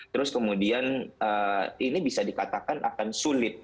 terus kemudian ini bisa dikatakan akan sulit